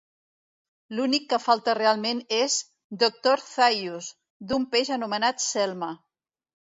L'únic que falta realment és "Doctor Zaius" d'"Un peix anomenat Selma".